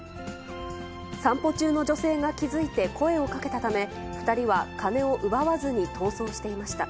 散歩中の女性が気付いて声をかけたため、２人は金を奪わずに逃走していました。